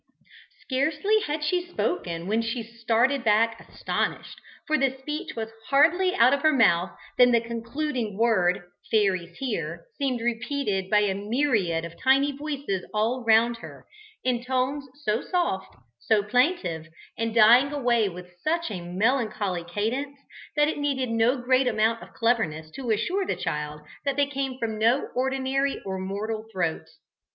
Scarcely had she spoken when she started back astonished, for the speech was hardly out of her mouth than the concluding word, "fairies here," seemed repeated by a myriad of tiny voices all round her, in tones so soft, so plaintive, and dying away with such a melancholy cadence that it needed no great amount of cleverness to assure the child that they came from no ordinary or mortal throats.